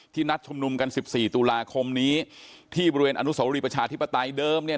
นัดชุมนุมกัน๑๔ตุลาคมนี้ที่บริเวณอนุสวรีประชาธิปไตยเดิมเนี่ย